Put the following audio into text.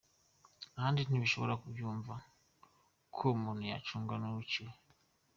Ahandi ntibashobora kubyumva ko uwo muntu yacungwa n’uwiciwe.